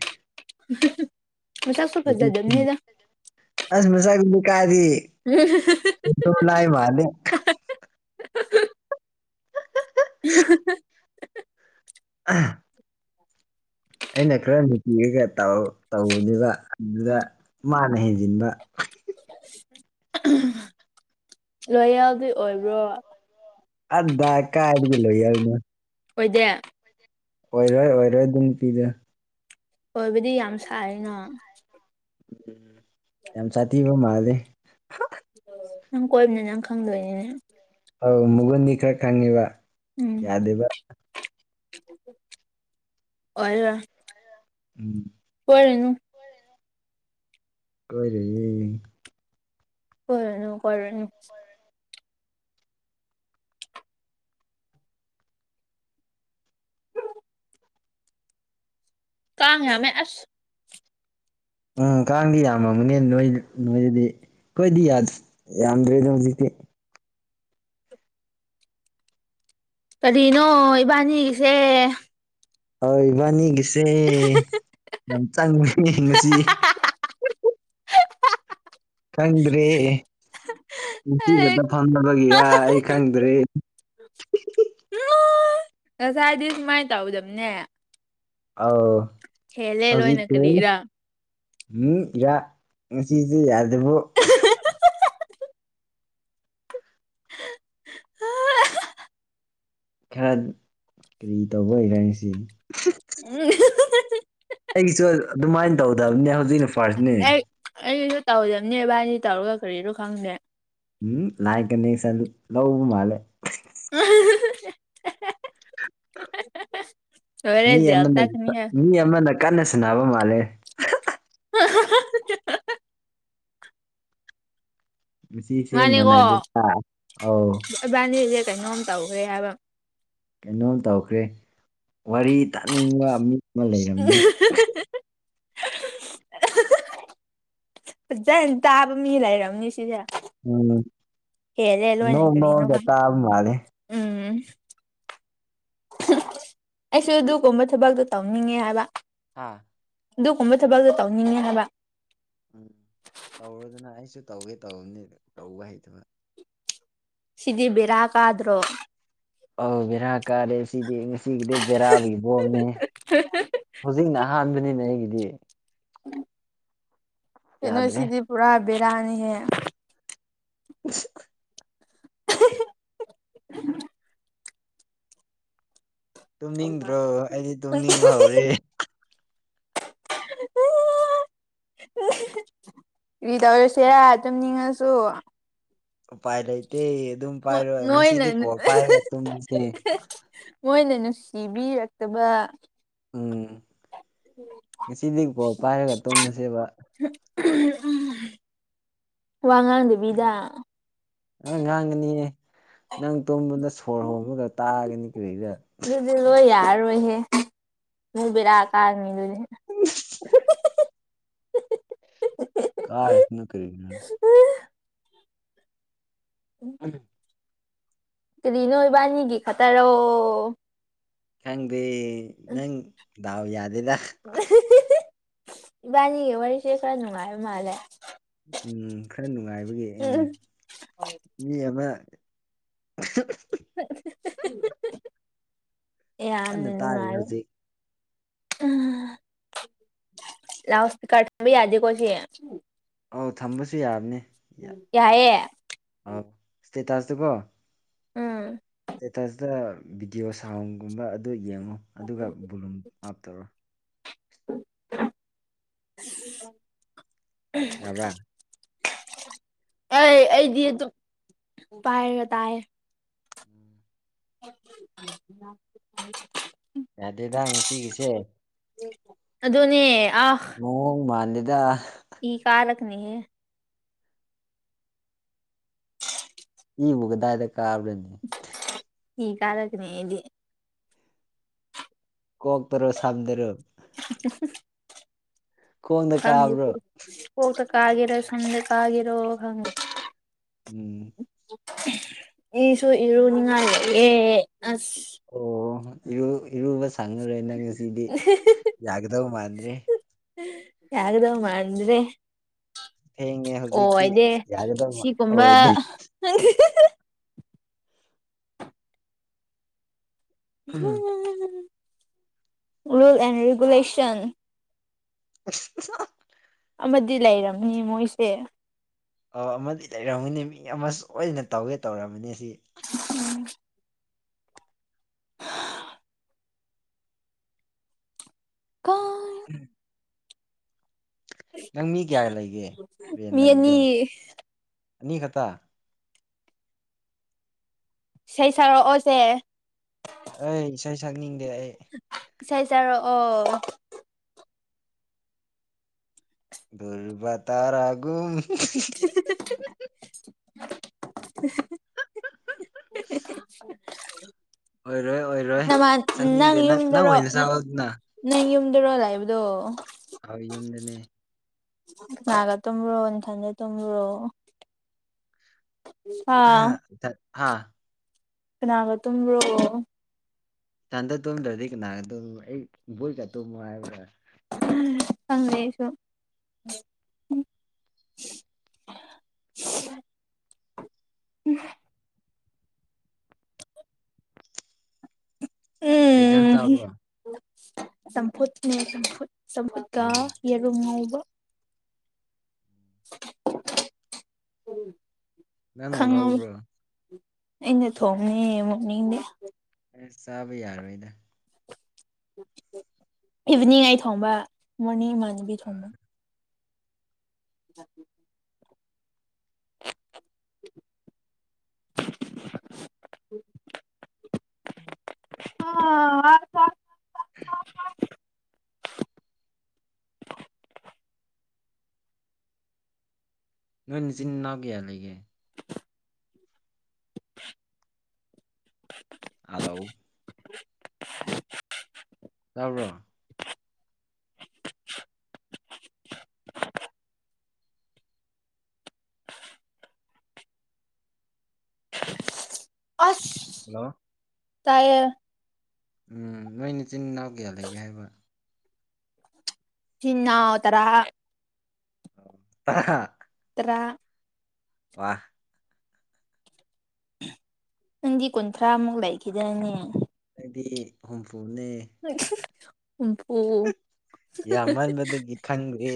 ꯃꯁꯛꯁꯨ ꯍꯧꯖꯤꯛꯇꯤ ꯐꯖꯗꯝꯅꯤꯗ ꯀꯔꯤ [unintelligible] ꯃꯥꯂꯦ ꯑꯍꯥ ꯍꯥ ꯑꯥ ꯑꯩꯅ ꯈꯔ ꯅꯨꯡꯁꯤꯌꯦꯒꯦ ꯇꯧ ꯇꯧꯕꯅꯦꯕ ꯑꯗꯨꯗ ꯃꯥꯅ ꯍꯦꯟꯖꯤꯟꯕ ꯂꯣꯏꯌꯦꯜꯗꯤ ꯑꯣꯏꯕ꯭ꯔꯣ ꯀꯗ ꯀꯥꯏꯕꯒꯤ ꯂꯣꯏꯌꯦꯜꯅꯦ ꯑꯣꯏꯗꯦ ꯑꯣꯏꯔꯣꯏ ꯑꯣꯏꯔꯣꯏ ꯑꯗꯨꯝ ꯅꯨꯄꯤꯗꯣ ꯑꯣꯏꯕꯗꯤ ꯌꯥꯝ ꯁꯥꯏꯑꯦꯅ ꯎꯝ ꯌꯥꯝ ꯆꯥꯊꯤꯕ ꯃꯥꯜꯂꯦ ꯅꯪ ꯀꯣꯏꯕꯅꯤꯅ ꯅꯪ ꯈꯪꯗꯣꯏꯅꯤꯅꯦ ꯑꯧ ꯃꯒꯨꯟꯗꯤ ꯈꯔ ꯈꯪꯉꯦꯕ ꯌꯥꯗꯦꯕ ꯑꯣꯏꯂꯣꯏ ꯎꯝ [unintelligible] ꯀꯣꯏꯔꯦꯌꯦ ꯀꯣꯏꯔꯨꯅꯨ ꯀꯣꯏꯔꯨꯅꯨ ꯀꯥꯡ ꯌꯥꯝꯃꯦ ꯑꯁ ꯎꯝ ꯀꯥꯡꯗꯤ ꯌꯥꯝꯃꯝꯒꯅꯦ ꯅꯣꯏ ꯅꯣꯏꯗꯗꯤ ꯑꯩꯈꯣꯏꯗꯤ ꯌꯥꯗꯦ ꯌꯥꯝꯗ꯭ꯔꯦꯗ ꯍꯧꯖꯤꯛꯇꯤ ꯀꯔꯤꯅꯣ ꯏꯕꯥꯅꯤꯒꯤꯁꯦ ꯍꯣꯏ ꯏꯕꯥꯅꯤꯒꯤꯁꯦ ꯌꯥꯝ ꯆꯪꯉꯪ ꯉꯁꯤ ꯈꯪꯗ꯭ꯔꯦ ꯉꯁꯤ ꯈꯛꯇ ꯐꯝꯅꯕꯒꯤꯔ ꯑꯩ ꯈꯪꯗ꯭ꯔꯦ ꯉꯁꯥꯏꯗꯤ ꯁꯨꯃꯥꯏꯅ ꯇꯧꯗꯝꯕꯅꯦ ꯑꯥꯎ ꯍꯧꯖꯤꯛꯀꯤ ꯀꯔꯤꯔꯥ ꯍꯝ ꯌꯥ ꯉꯁꯤꯁꯦ ꯌꯥꯗꯦꯕꯣ ꯍ ꯈꯔ ꯀꯔꯤ ꯇꯧꯕ ꯏꯕꯅꯤꯁꯤ ꯎꯝ ꯑꯩꯒꯤꯁꯨ ꯑꯗꯨꯃꯥꯏꯅ ꯇꯧꯗꯕꯅꯦ ꯍꯧꯖꯤꯛꯅ ꯐꯥꯔꯁꯅꯦ ꯑꯩ ꯑꯩꯁꯨ ꯇꯧꯗꯕꯅꯦ ꯏꯕꯥꯅꯤ ꯇꯧꯔꯒ ꯀꯔꯤꯅꯣ ꯈꯪꯗꯦ ꯎꯝ ꯂꯥꯏꯒꯅꯤꯁꯟ ꯂꯧꯕ ꯃꯥꯜꯂꯦ ꯆꯦ ꯑꯦꯍꯦꯍꯦ ꯑꯍꯦꯍꯦ ꯃꯤ ꯑꯃꯅ ꯃꯤ ꯑꯃꯅ ꯀꯟꯅ ꯁꯅꯕ ꯃꯥꯜꯂꯦ ꯑ ꯍ ꯍ ꯍ ꯉꯁꯤꯁꯦ ꯃꯥꯅꯦꯀꯣ ꯃꯥꯟꯅꯗꯦꯗ ꯑꯧ ꯏꯕꯥꯅꯤꯁꯦ ꯀꯩꯅꯣꯝ ꯇꯧꯈ꯭ꯔꯦ ꯍꯥꯏꯕ ꯀꯩꯅꯣꯝ ꯇꯧꯈ꯭ꯔꯦ ꯋꯥꯔꯤ ꯇꯥꯅꯤꯡꯕ ꯃꯤ ꯑꯃ ꯂꯩꯔꯝꯅꯤ ꯐꯖꯟ ꯇꯥꯕ ꯃꯤ ꯂꯩꯔꯝꯅꯤ ꯁꯤꯖ ꯎꯝ ꯍꯦꯜꯂꯦ ꯂꯣꯢꯅ ꯅꯣꯛ ꯀꯔꯤꯅꯣ ꯅꯣꯛꯑꯒ ꯈꯪ ꯇꯥꯕ ꯃꯥꯜꯂꯦ ꯎꯝ ꯍ ꯍ ꯑꯩꯁꯨ ꯑꯗꯨꯒꯨꯝꯕ ꯊꯕꯛꯇꯣ ꯇꯧꯅꯤꯡꯉꯦ ꯍꯥꯏꯕ ꯍꯥꯥ ꯑꯗꯨꯒꯨꯝꯕ ꯊꯕꯛꯇꯣ ꯇꯧꯅꯤꯡꯉꯦ ꯍꯥꯏꯕ ꯎꯝ ꯇꯧꯔꯣꯗꯅ ꯑꯩꯁꯨ ꯇꯧꯒꯦ ꯇꯧꯕꯅꯤ ꯇꯧꯕ ꯍꯩꯇꯕ ꯁꯤꯗꯤ ꯕꯦꯔꯥꯀꯗ꯭ꯔꯣ ꯑꯧ ꯕꯦꯔꯥ ꯀꯥꯔꯦ ꯁꯤꯗꯤ ꯉꯁꯤꯒꯤꯗꯤ ꯕꯦꯔꯥꯒꯤ ꯕꯣꯝꯅꯦꯍꯦ ꯍꯧꯖꯤꯛꯅ ꯑꯍꯥꯟꯕꯅꯤꯅꯦ ꯑꯩꯒꯤꯗꯤ [inaudible] ꯀꯩꯅꯣ ꯌꯥꯗ꯭ꯔꯦ ꯁꯤꯗꯤ ꯄꯨꯔꯥ ꯕꯦꯔꯥꯅꯤꯍꯦ [inaudible] [unintelligible] ꯇꯨꯝꯅꯤꯡꯗ꯭ꯔꯣ ꯑꯩꯗꯤ ꯇꯨꯝꯅꯤꯡꯕ ꯍꯧꯔꯦ [unintelligible] ꯑ ꯍ ꯍ ꯀꯔꯤ ꯇꯧꯁꯦꯔꯥ ꯇꯨꯝꯅꯤꯡꯉꯁꯨ ꯎꯄꯥꯏ ꯂꯩꯇꯦ ꯑꯗꯨꯝ ꯄꯥꯏꯔꯣ ꯃꯣꯏꯅ ꯉꯁꯤꯗꯤ ꯀꯣꯜ ꯄꯥꯏꯔꯒ ꯇꯨꯝꯃꯁꯦ ꯃꯣꯏꯅ ꯅꯨꯡꯁꯤꯕꯤꯔꯛꯇꯕ ꯎꯝ ꯉꯁꯤꯗꯤ ꯀꯣꯜ ꯄꯥꯏꯔꯒ ꯇꯨꯝꯃꯁꯦꯕ ꯎꯝ ꯎꯝ ꯋꯥ ꯉꯥꯡꯗꯕꯤꯗ ꯑꯦ ꯉꯥꯡꯒꯅꯤꯌꯦ ꯅꯪ ꯇꯨꯝꯕꯗ ꯁꯣꯔ ꯍꯣꯟꯕꯗ ꯇꯥꯒꯅꯤ ꯀꯔꯤꯔ ꯇꯤꯍ ꯌꯥꯔꯣꯏꯍꯦ ꯅꯣꯏ ꯕꯦꯔꯥ ꯀꯥꯔꯅꯤꯗꯨꯅꯦ [unintelligible] ꯑ ꯍ ꯍ ꯍ ꯀꯥꯔꯁꯅꯨ ꯀꯔꯤꯔꯥ ꯑꯝ ꯀꯔꯤꯅꯣ ꯏꯕꯥꯟꯅꯤꯒꯤ ꯈꯇꯔꯣ ꯈꯪꯗꯦ ꯅꯪ ꯗꯥꯎ ꯌꯥꯗ ꯑ ꯍ ꯍ ꯍ ꯏꯕꯥꯅꯤꯒꯤ ꯋꯥꯔꯤꯁꯦ ꯈꯔ ꯅꯨꯡꯉꯥꯏꯕ ꯃꯥꯜꯂꯦ ꯎꯝ ꯈꯔ ꯅꯨꯡꯉꯥꯏꯕꯒꯤ ꯎꯝ ꯃꯤ ꯑꯃ ꯑꯍ ꯍ ꯍ ꯍ ꯍ ꯍ ꯀꯟꯅ ꯌꯥꯝꯅ ꯇꯥꯔꯤ ꯅꯨꯡꯉꯥꯏꯔꯣꯏ ꯍꯧꯖꯤꯛ ꯑꯥ ꯂꯥꯎꯠꯁ꯭ꯄꯤꯀꯔ ꯊꯝꯕ ꯌꯥꯗꯦꯀꯣ ꯑꯁꯤ ꯑꯧ ꯊꯝꯕꯁꯨ ꯌꯥꯕꯅꯤ ꯌꯥꯌꯦ ꯁ꯭ꯇꯦꯇꯁꯇꯣꯀꯣ ꯎꯝ ꯁ꯭ꯇꯦꯇꯁꯇ ꯚꯤꯗꯤꯑꯣ ꯁꯥꯎꯟꯒꯨꯝꯕ ꯑꯗꯨ ꯌꯦꯡꯉꯣ ꯑꯗꯨꯒ ꯕꯣꯂꯨꯝ ꯑꯥꯞ ꯇꯧꯔꯣ [inaudible] ꯌꯥꯕ꯭ꯔ ꯑꯩ ꯑꯩꯗꯤ ꯑꯗꯨꯝ ꯄꯥꯏꯔꯒ ꯇꯥꯏꯌꯦ [inaudible] ꯌꯥꯗꯦꯗꯥ ꯉꯁꯤꯒꯤꯁꯦ ꯑꯗꯨꯅꯦ ꯃꯑꯣꯡ ꯃꯥꯜꯂꯦꯗ ꯢ ꯀꯥꯔꯛꯀꯅꯤ ꯍꯦ ꯏꯕꯨ ꯀꯗꯥꯥꯏꯗ ꯀꯥꯕ꯭ꯔꯅꯦ ꯏ ꯀꯥꯔꯛꯀꯅꯤ ꯑꯩꯗꯤ ꯀꯣꯛꯇꯔꯣ ꯁꯝꯗꯔꯣ ꯎꯝꯍꯨꯝ ꯈꯣꯡꯗ ꯈꯪꯗꯦ ꯀꯥꯕ꯭ꯔꯣ ꯀꯣꯛꯇ ꯀꯥꯒꯦꯔꯣ ꯁꯝꯗ ꯀꯦꯒꯦꯔꯣ ꯈꯪ ꯎꯝ ꯏꯁꯨ ꯏꯔꯨꯅꯤꯡꯉꯥꯏ ꯂꯩꯑꯦ ꯑꯣ ꯏꯔꯨ ꯏꯔꯨꯕꯁꯨ ꯁꯪꯉꯔꯣꯏ ꯅꯪ ꯉꯁꯤꯗꯤ ꯌꯥꯒꯗꯧ ꯃꯥꯟꯗ꯭ꯔꯦ ꯌꯥꯒꯗꯧ ꯃꯥꯟꯗ꯭ꯔꯦ ꯊꯦꯡꯉꯦ ꯑꯣ ꯍꯧꯖꯤꯛꯇꯤ ꯑꯩꯗꯤ ꯌꯥꯒꯗꯧꯕ ꯁꯤꯒꯨꯝꯕ ꯑꯣꯏꯗ꯭ꯔꯦ ꯔꯨꯜ ꯑꯦꯟ ꯔꯤꯒꯨꯂꯦꯁꯟ [unintelligible] ꯑꯃꯗꯤ ꯂꯩꯔꯝꯅꯤ ꯃꯣꯏꯁꯦ ꯑꯣ ꯑꯃꯗꯤ ꯂꯩꯔꯝꯃꯅꯤ ꯃꯤ ꯑꯃꯁꯨ ꯁꯣꯏꯗꯅ ꯇꯧꯒꯦ ꯇꯧꯔꯝꯅꯤ ꯁꯤ ꯎꯝ ꯀꯥ ꯎꯝ ꯅꯪ ꯃꯤ ꯀꯌꯥ ꯂꯩꯒꯦ ꯔꯦꯟ ꯃꯤ ꯑꯅꯤ ꯂꯩꯕꯗꯣ ꯑꯅꯤ ꯈꯛꯇ ꯏꯁꯩ ꯁꯛꯂꯛꯑꯣꯁꯦ ꯑꯩ ꯏꯁꯩ ꯁꯛꯅꯤꯡꯗꯦ ꯑꯩ ꯥꯏꯁꯩ ꯁꯛꯔꯛꯑꯣ ꯗꯨꯔꯕ ꯇꯥꯔꯒꯨꯝ [unintelligible] [unintelligible] ꯑꯣꯏꯔꯣꯏ ꯑꯣꯏꯔꯣꯏ ꯅꯃꯥꯟ ꯅꯪ ꯆꯪꯅꯤꯡꯗꯦ ꯌꯨꯝꯗꯔꯣ ꯑꯣꯏꯅ ꯅꯪ ꯆꯥꯎ ꯑꯗꯨꯅ ꯅꯪ ꯌꯨꯝꯗꯔꯣ ꯂꯩꯕꯗꯣ ꯑꯩ ꯌꯨꯝꯗꯅꯦ ꯀꯅꯥꯒ ꯇꯨꯝꯕ꯭ꯔꯣ ꯅꯊꯟꯇ ꯇꯨꯝꯕ꯭ꯔꯣ ꯑꯥ ꯍꯥꯥ ꯏꯊꯟ ꯍꯥ ꯀꯅꯥꯒ ꯇꯨꯝꯕ꯭ꯔꯣ ꯏꯊꯟꯗ ꯇꯨꯝꯗ꯭ꯔꯗꯤ ꯀꯅꯥꯒ ꯇꯨꯝꯃꯣ ꯑꯩ ꯕꯨꯠꯀ ꯇꯨꯝꯃꯣ ꯍꯥꯏꯕ꯭ꯔ ꯈꯪꯗ꯭ꯔꯦ ꯑꯩꯁꯨ [unintelligible] ꯎꯍꯨꯝ ꯀꯩꯖꯥꯟ ꯎꯝ ꯆꯥꯕ꯭ꯔꯣ ꯆꯝꯐꯨꯠꯅꯦ ꯆꯝꯐꯨꯠ ꯆꯝꯐꯨꯠꯀ ꯎꯝ ꯌꯦꯔꯨꯝ ꯉꯧꯕ ꯀꯔꯤ ꯅꯪꯅ ꯉꯧꯕ꯭ꯔꯣ ꯑꯩꯅ ꯊꯣꯡꯉꯦ ꯅꯣꯛꯅꯤꯡꯉꯦ ꯑꯁ ꯆꯥꯕ ꯌꯥꯔꯣꯏꯗ ꯏꯚꯤꯅꯤꯡ ꯑꯩ ꯊꯣꯡꯕ ꯃꯣꯔꯅꯤꯡ ꯏꯃꯥꯟꯅꯕꯤ ꯊꯣꯡꯕ [unintelligible] [inaudible] ꯑꯥ [unintelligible] ꯅꯣꯏ ꯅꯆꯤꯟ ꯅꯅꯥꯎ ꯀꯌꯥ ꯂꯩꯒꯦ ꯍꯜꯂꯣ [inaudible] ꯇꯥꯕ꯭ꯔꯣ ꯑꯁ ꯍꯜꯂꯣ ꯇꯥꯏꯌꯦ ꯎꯝ ꯅꯣꯏ ꯅꯆꯤꯟ ꯅꯥꯎ ꯀꯌꯥ ꯂꯩꯒꯦ ꯍꯥꯏꯕ ꯏꯆꯤꯟ ꯅꯥꯎ ꯇꯔꯥ ꯑꯣ ꯍꯥ ꯇꯔꯥ ꯋꯥ ꯅꯪꯗꯤ ꯀꯨꯟꯊ꯭ꯔꯥꯃꯨꯛ ꯂꯩꯈꯤꯗꯥꯏꯅꯦ ꯑꯩꯗꯤ ꯍꯨꯝꯐꯨꯅꯦ ꯍꯨꯝꯐꯨ ꯌꯥꯝꯃꯟꯕꯗꯒꯤ ꯈꯪꯗ꯭ꯔꯦ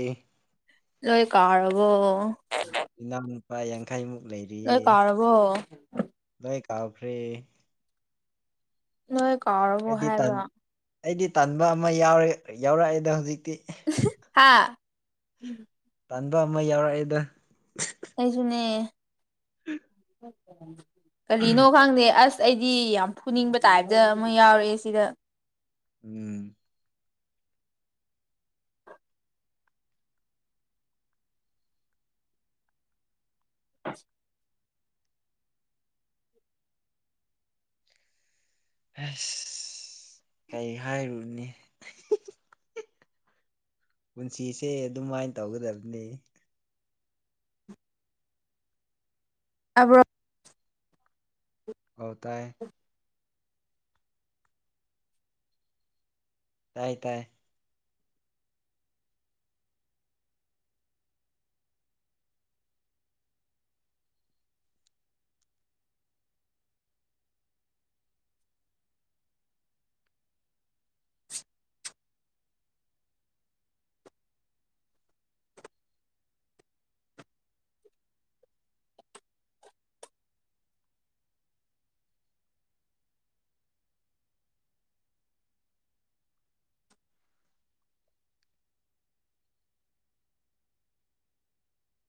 ꯂꯣꯏ ꯀꯥꯎꯔꯕꯣ ꯏꯅꯥꯎ ꯅꯨꯄꯥ ꯌꯥꯡꯈꯩ ꯃꯨꯛ ꯂꯣꯢ ꯀꯥꯎꯔꯕꯣ ꯂꯣꯏ ꯀꯥꯎꯈ꯭ꯔꯦ ꯅꯣꯏ ꯀꯥꯎꯔꯕꯣ ꯑꯩꯗꯤ ꯇꯟ ꯍꯥꯏꯕ ꯑꯩꯗꯤ ꯇꯟꯕꯥ ꯑꯃ ꯌꯥꯎꯔꯦ ꯌꯥꯎꯔꯛꯑꯦꯗ ꯍꯧꯖꯤꯛ ꯏꯍꯤ ꯍꯥ ꯇꯟꯕꯥ ꯑꯃ ꯌꯥꯎꯔꯛꯑꯦꯗ ꯑꯩꯁꯨꯅꯦ [inaudible] ꯀꯔꯤꯅꯣ ꯈꯪꯗꯦ ꯑꯁ ꯑꯩꯗꯤ ꯌꯥꯝ ꯐꯨꯅꯤꯡꯕ ꯇꯥꯏꯞꯇ ꯑꯃ ꯌꯥꯎꯔꯛꯑꯦ ꯁꯤꯗ ꯎꯝ ꯑꯁ ꯀꯩ ꯍꯥꯏꯔꯨꯅꯦ ꯄꯨꯟꯁꯤꯁꯦ ꯑꯗꯨꯝꯃꯥꯏꯅ ꯇꯧꯒꯗꯕꯅꯦ ꯇꯕꯔꯣ ꯑꯣ ꯇꯥꯏꯌꯦ ꯇꯥꯏ ꯇꯥꯏ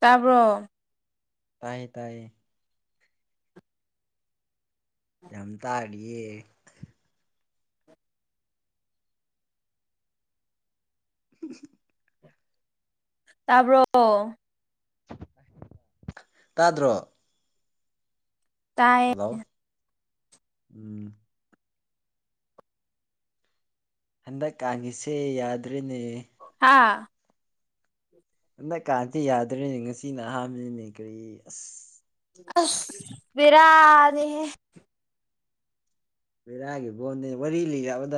ꯇꯥꯕ꯭ꯔꯣ ꯇꯌꯦ ꯇꯌꯦ ꯌꯥꯝ ꯇꯥꯔꯤꯌꯦ [unintelligible] ꯇꯥꯕꯔꯣ ꯇꯥꯗ꯭ꯔꯣ ꯍꯜꯂꯣ ꯇꯥꯏꯌꯦ ꯎꯝ ꯍꯟꯗꯛ ꯀꯥꯡꯒꯤꯁꯦ ꯌꯥꯗꯔ꯭ꯦꯅꯦ ꯍꯥ ꯍꯗꯛꯀꯥꯟꯗꯤ ꯌꯥꯗ꯭ꯔꯦꯅꯦ ꯉꯁꯤꯅ ꯑꯍꯥꯟꯕꯅꯤꯅꯦ ꯀꯔꯤ ꯑꯁ ꯑꯁ ꯕꯦꯔꯥꯅꯤꯍꯦ ꯕꯦꯔꯥꯒꯤ ꯕꯣꯝꯅꯦ ꯋꯥꯔꯤ ꯂꯩ ꯍꯥꯏ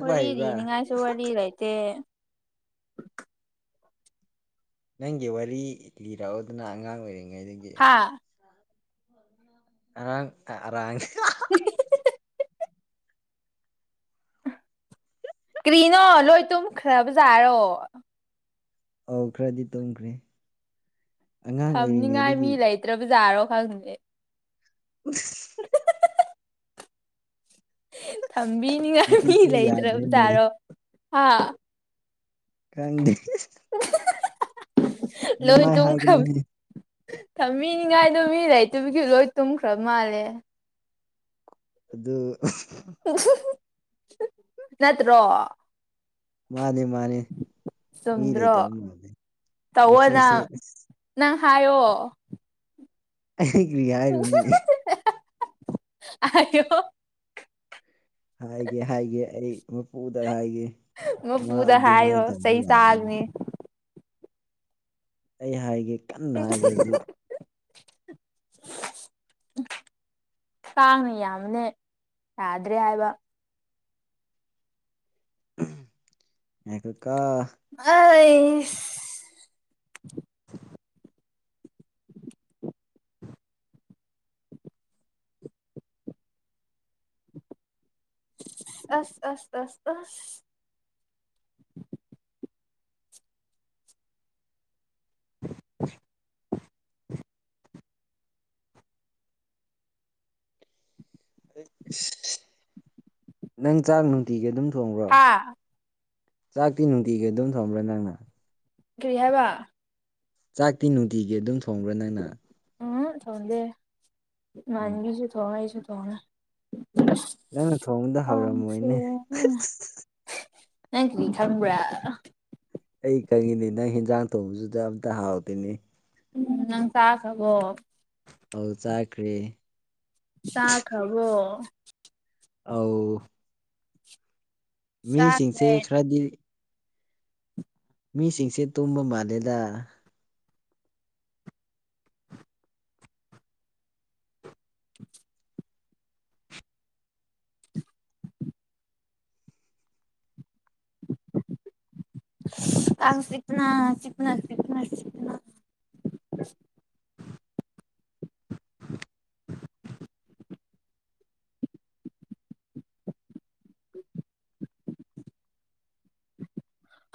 ꯋꯥꯔꯤ ꯂꯤꯅꯤꯉꯥꯏꯁꯨ ꯋꯥꯔꯤ ꯂꯩꯇꯦ ꯅꯪꯒꯤ ꯋꯥꯔꯤ ꯂꯤꯔꯛꯑꯣꯗꯅ ꯑꯉꯥꯡ ꯑꯣꯏꯔꯤꯉꯩꯗꯒꯤ ꯍꯥ ꯑꯉꯥꯡ ꯑꯔꯥ [unintelligible] ꯀꯔꯤꯅꯣ ꯂꯣꯏ ꯇꯨꯝꯈ꯭ꯔꯕꯖꯠꯂꯣ ꯑꯧ ꯈꯔꯗꯤ ꯇꯨꯝꯈ꯭ꯔꯦ ꯑꯉꯥꯡ ꯊꯝꯅꯤꯉꯥꯏ ꯑꯣꯏꯔꯤꯉꯩꯗꯒꯤ ꯃꯤ ꯂꯩꯇ꯭ꯔꯕꯖꯥꯔꯣ ꯈꯪꯗꯦ [unintelligible] ꯊꯝꯕꯤꯅꯤꯉꯥꯏ ꯃꯤ ꯉꯁꯤꯁꯦ ꯂꯩꯇ꯭ꯔꯕ ꯌꯥꯗ꯭ꯔꯦꯅꯦ ꯖꯥꯔꯣ ꯍꯥ ꯈꯪꯗꯦ ꯑꯗꯨꯃꯥꯏ ꯍꯥꯏꯒꯅꯣ ꯍꯦ ꯊꯝꯃꯤꯅꯤꯡꯉꯥꯏꯗꯣ ꯃꯤ ꯂꯩꯇꯕꯒꯤ ꯂꯣꯏ ꯇꯨꯝꯈ꯭ꯔ ꯃꯥꯜꯂꯦ ꯑꯗꯨ ꯅꯠꯇ꯭ꯔꯣ ꯃꯥꯅꯦ ꯃꯥꯅꯦ ꯃꯤ ꯆꯨꯝꯗ꯭ꯔꯣ ꯂꯩꯇꯕ ꯃꯥꯜꯂ ꯉꯆꯤꯁꯦ ꯑꯁ ꯍꯥꯏꯑꯣ ꯑꯩꯒꯤ ꯍꯥꯏꯔꯨꯅꯤ ꯑꯌꯣ ꯍꯥꯏꯒꯦ ꯍꯥꯏꯒꯦ ꯑꯩ ꯃꯄꯨꯗ ꯍꯥꯏꯒꯦ ꯃꯥ ꯃꯄꯨꯗ ꯍꯥꯏꯌꯣ ꯑꯗꯨꯃꯥꯏꯅ ꯇꯧꯕ ꯆꯩ ꯌꯥꯕ꯭ꯔꯥ ꯆꯥꯒꯅꯤ ꯑꯩ ꯍꯥꯏꯒꯦ ꯀꯟꯅ ꯍꯥꯏꯒꯦ ꯍꯧꯖꯤꯛ [inaudible] ꯀꯥꯡꯅ ꯌꯥꯝꯕꯅꯦ ꯌꯥꯗ꯭ꯔꯦ ꯍꯥꯏꯕ ꯎꯝ ꯉꯥꯏꯈꯣ ꯑꯩꯁ ꯑꯁ ꯑꯁ ꯑꯁ ꯑꯁ [inaudible] [inaudible] ꯅꯪ ꯆꯥꯛ ꯅꯨꯡꯇꯤꯒꯤ ꯑꯗꯨꯝ ꯊꯣꯡꯕ꯭ꯔꯣ ꯍꯥ ꯆꯥꯛꯇꯤ ꯅꯨꯡꯇꯤꯒꯤ ꯑꯗꯨꯝ ꯊꯣꯡꯕ꯭ꯔꯥ ꯅꯪꯅ ꯀꯔꯤ ꯍꯥꯏꯕ ꯆꯥꯛꯇꯤ ꯅꯨꯡꯇꯤꯒꯤ ꯑꯗꯨꯝ ꯊꯣꯡꯕ꯭ꯔꯥ ꯅꯪꯅ ꯎꯝ ꯊꯣꯡꯗꯦꯗ ꯎꯝ ꯃꯥꯟꯕꯤꯁꯨ ꯊꯣꯡꯉꯦ ꯑꯩꯁꯨ ꯊꯣꯡꯉꯦ ꯅꯪꯅ ꯊꯣꯡꯕꯗ ꯍꯥꯎꯔꯝꯃꯣꯏꯅꯦ ꯀꯥꯡꯁꯦꯑ ꯅꯪ ꯀꯔꯤ ꯈꯪꯕ꯭ꯔꯥ ꯑꯩ ꯈꯪꯉꯤꯅꯦ ꯅꯪ ꯍꯦꯟꯖꯥꯡ ꯊꯣꯡꯕꯗꯨꯗ ꯑꯝꯇ ꯍꯥꯥꯎꯇꯦꯅꯦ ꯎꯝ ꯅꯪ ꯆꯥꯈ꯭ꯔꯕꯣ ꯑꯧ ꯆꯥꯈ꯭ꯔꯦ ꯆꯥ ꯈ꯭ꯔꯕꯣ ꯑꯧ ꯃꯤꯁꯤꯡꯁꯦ ꯆꯥꯈ꯭ꯔꯦ ꯈꯔꯗꯤ ꯃꯤꯁꯤꯡꯁꯦ ꯇꯨꯝꯕ ꯃꯥꯜꯂꯦꯗ [inaudible] [inaudible] ꯀꯥꯡ ꯆꯤꯛꯄꯅ ꯆꯤꯛꯄꯅ ꯆꯤꯛꯄꯅ ꯆꯤꯛꯄꯅ [inaudible] [inaudible]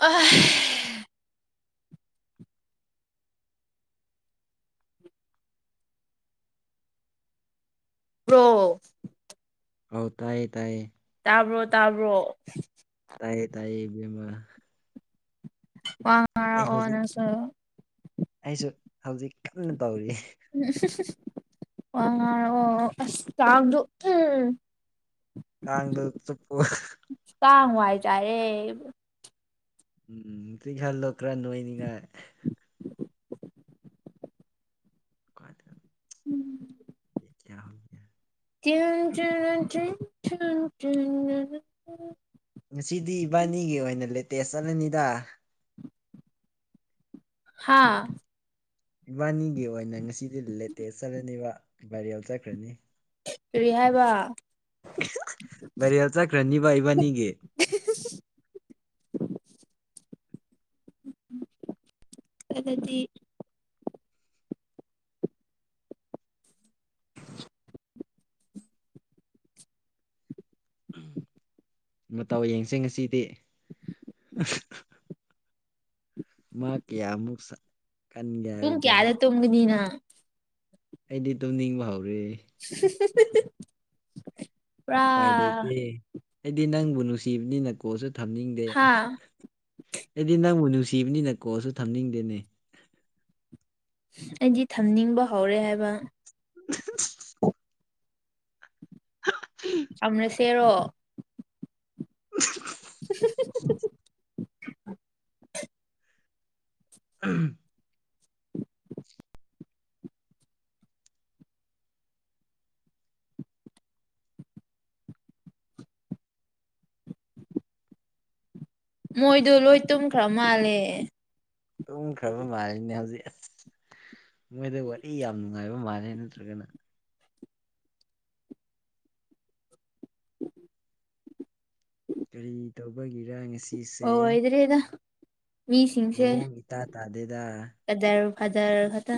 ꯑꯍꯦ ꯄ꯭ꯔꯣ ꯑꯥꯎ ꯇꯥꯏꯌꯦ ꯇꯥꯏꯌꯦ ꯇꯥꯕ꯭ꯔꯣ ꯇꯥꯕ꯭ꯔꯣ ꯇꯥꯏꯌꯦ ꯇꯥꯏꯌꯦ ꯏꯕꯦꯝꯃ ꯋꯥ ꯑꯩ ꯉꯡꯔꯛꯑꯣ ꯍꯧꯖꯤꯛ ꯅꯪꯁꯨ ꯑꯩꯁꯨ ꯍꯧꯖꯤꯛ ꯀꯟꯅ ꯇꯧꯔꯤꯌꯦ ꯎꯝꯍꯨꯝ ꯍꯨꯝ [unintelligible] ꯀꯥꯡꯗꯨ ꯆꯨꯞꯄꯨ ꯀꯥꯡ ꯋꯏꯆꯥꯏꯔꯦ ꯎꯝ ꯆꯤꯛꯍꯜꯂꯣ ꯈꯔ ꯅꯣꯏꯅꯤꯉꯥꯏ [inaudible] ꯀꯥꯏꯗ ꯀꯌꯥꯝ ꯌ [unintelligible] ꯉꯁꯤꯗꯤ ꯏꯕꯥꯅꯤꯒꯤ ꯑꯣꯏꯅ ꯂꯦꯇꯦꯁ ꯆꯠꯂꯅꯤꯗ ꯍꯥꯥ ꯏꯕꯥꯅꯤꯒꯤ ꯑꯣꯏꯅ ꯉꯁꯤꯗꯤ ꯂꯦꯇꯦꯁ ꯆꯠꯂꯅꯤꯕ ꯚꯥꯏꯔꯦꯜ ꯆꯠꯈ꯭ꯔꯅꯤ ꯀꯔꯤ ꯍꯥꯏꯕ ꯚꯥꯏꯔꯦꯜ ꯆꯠꯈ꯭ꯔꯅꯤꯕ ꯏꯕꯥꯅꯤꯒꯤ ꯑꯗꯨꯗꯤ [inaudible] ꯃꯇꯧ ꯌꯦꯡꯁꯦ ꯉꯁꯤꯗꯤ ꯃꯥ ꯀꯌꯥꯃꯨꯛ ꯀꯟꯒꯦ ꯄꯨꯡ ꯍꯥꯏꯕꯗꯣ ꯀꯌꯥꯗ ꯇꯣꯝꯒꯅꯤ ꯅꯪ ꯑꯩꯗꯤ ꯇꯨꯝꯅꯤꯡꯕ ꯍꯧꯔꯦ [unintelligible] ꯎꯄꯥꯏ ꯂꯩꯇꯦ ꯑꯩꯗꯤ ꯅꯪꯕꯨ ꯅꯨꯡꯁꯤꯕꯅꯤꯅ ꯀꯣꯜꯁꯨ ꯊꯝꯅꯤꯡꯗꯦ ꯍꯥ ꯑꯩꯗꯤ ꯅꯪꯕꯨ ꯅꯨꯡꯁꯤ ꯁꯤꯕꯅꯤꯅ ꯀꯣꯜꯁꯨ ꯊꯝꯅꯤꯡꯗꯦꯅꯦ ꯑꯩꯗꯤ ꯊꯝꯅꯤꯡꯕ ꯍꯧꯔꯦ ꯍꯥꯏꯕ [unintelligible] ꯊꯝꯔꯁꯦꯔꯣ [unintelligible] [unintelligible] ꯑꯝ ꯃꯣꯏꯗꯨ ꯂꯣꯏ ꯇꯨꯝꯈ꯭ꯔꯥ ꯃꯥꯜꯂꯦ ꯇꯨꯝꯈꯔꯕ ꯃꯥꯂꯤꯅꯦ ꯍꯧꯖꯤꯛ ꯃꯣꯏꯗ ꯋꯥꯔꯤ ꯌꯥꯝ ꯅꯨꯡꯉꯥꯏꯕ ꯃꯥꯜꯂꯦ ꯅꯠꯇ꯭ꯔꯒꯅ [inaudible] ꯀꯔꯤ ꯇꯧꯕꯒꯤꯔ ꯉꯁꯤ ꯑꯣꯏꯗ꯭ꯔꯦꯗ ꯃꯤꯁꯤꯡꯁꯦ ꯃꯑꯣꯡ ꯏꯇꯥ ꯇꯥꯗꯦꯗ ꯐꯖꯔ ꯈꯠꯇ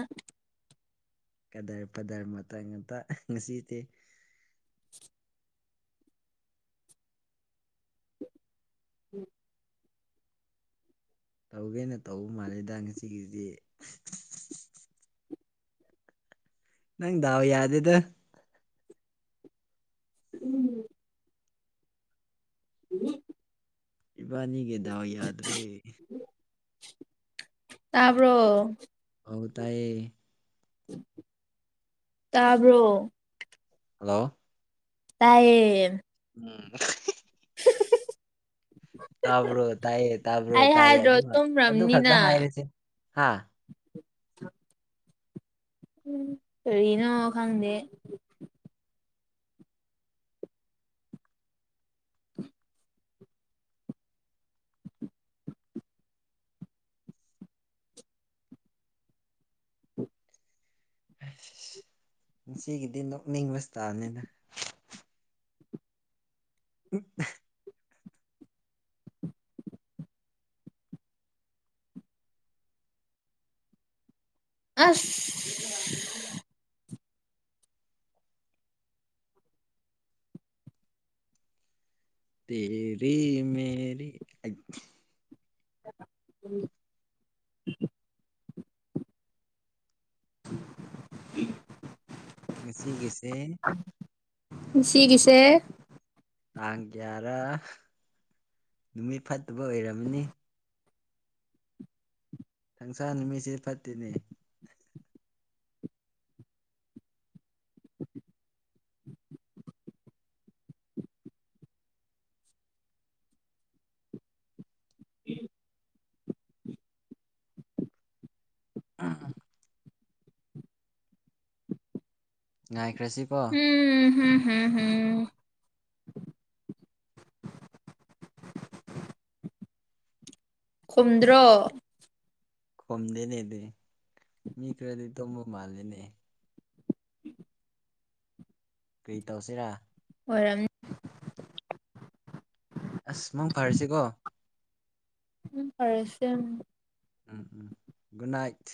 ꯀꯗꯔ ꯐꯗꯔ ꯃꯇꯥꯡ ꯉꯥꯛꯇ ꯉꯁꯤꯗꯤ ꯎꯝ ꯇꯧꯒꯦꯅ ꯇꯧꯕ ꯃꯥꯜꯂꯦꯗ ꯉꯁꯤꯒꯤꯁꯤꯗꯤ ꯅꯪ ꯗꯥꯎ ꯌꯥꯗꯦꯗ ꯎꯝ [unintelligible] ꯏꯕꯥꯅꯤꯒꯤ ꯗꯥꯎ ꯌꯥꯗ꯭ꯔꯦ ꯇꯕ꯭ꯔꯣ ꯑꯧ ꯇꯥꯏꯌꯦ ꯇꯥꯕ꯭ꯔꯣ ꯍꯜꯂꯣ ꯇꯥꯏꯌꯦ ꯎꯝ [unintelligible] ꯇꯥꯕ꯭ꯔꯣ ꯇꯥꯏꯌꯦ ꯇꯥꯕ꯭ꯔꯣ ꯑꯩ ꯇꯥꯏꯌꯦ ꯍꯥꯏꯗ꯭ꯔꯣ ꯑꯗꯨ ꯑꯗꯨ ꯈꯛꯇ ꯇꯨꯝꯔꯝꯅꯤꯅ ꯍꯥꯏꯔꯁꯦ ꯍꯥ [inaudible] ꯎꯝ ꯀꯔꯤꯅꯣ ꯈꯪꯗꯦ ꯑꯁ ꯁꯤꯒꯤꯗꯤ ꯅꯣꯛꯅꯤꯡꯕꯁꯇꯥꯝꯅꯤꯅ [unintelligible] ꯑꯁ ꯇꯦꯔꯤ ꯃꯦꯔꯤ ꯎꯝ ꯎꯝ ꯉꯁꯤꯒꯤꯁꯦ ꯉꯁꯤꯒꯤꯁꯦ ꯇꯥꯡ ꯀꯌꯥꯔ ꯅꯨꯃꯤꯠ ꯐꯠꯇꯕ ꯑꯣꯏꯔꯝꯃꯅꯤ ꯁꯟꯁꯥ ꯅꯨꯃꯤꯠꯁꯤ ꯐꯠꯇꯦꯅꯦ ꯑꯥ ꯉꯥꯏꯈ꯭ꯔꯁꯤ ꯀꯣ ꯍꯝ ꯎꯝ ꯍꯝ ꯈꯨꯝꯗ꯭ꯔꯣ ꯈꯨꯝꯗꯦꯅꯦꯗꯤ ꯃꯤ ꯈꯔꯗꯤ ꯇꯨꯝꯕ ꯃꯥꯜꯂꯦꯅꯦ ꯀꯩ ꯇꯧꯁꯤꯔ ꯑꯣꯏꯔꯝꯅꯤ ꯑꯁ ꯃꯪ ꯐꯔꯁꯤꯀꯣ ꯎꯝ ꯐꯔꯁꯦ ꯎꯝ ꯎꯝ ꯒꯨꯗ ꯅꯥꯏꯠ